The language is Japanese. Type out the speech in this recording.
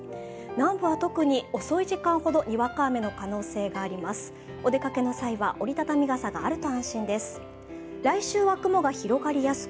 南部は特に遅い時間ほどにわか雨の可能性があります。